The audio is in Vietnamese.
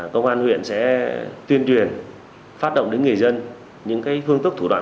công an huyện sẽ tuyên truyền phát động đến người dân những hương tức thủ đoạn